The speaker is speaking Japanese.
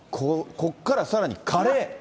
ここからさらに、カレー。